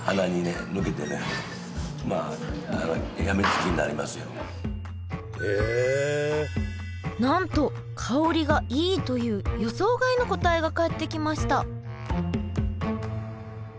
気になるなんと香りがいいという予想外の答えが返ってきました